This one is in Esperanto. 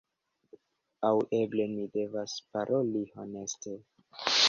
Aŭ eble mi devas paroli honeste: